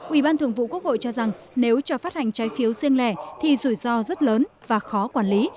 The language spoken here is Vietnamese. ubth cho rằng nếu cho phát hành trái phiếu riêng lẻ thì rủi ro rất lớn và khó quản lý